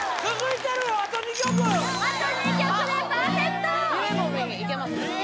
いけます？